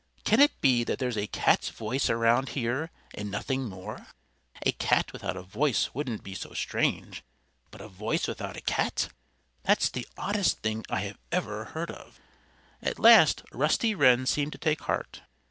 "Can it be that there's a cat's voice around here, and nothing more? A cat without a voice wouldn't be so strange. But a voice without a cat that's the oddest thing I ever heard of!" At last Rusty Wren seemed to take heart.